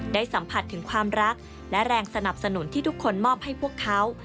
สัมผัสถึงความรักและแรงสนับสนุนที่ทุกคนมอบให้พวกเขา